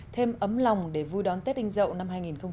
thêm ấm lòng để vui đón tết đinh dậu năm hai nghìn một mươi bảy